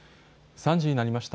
３時になりました。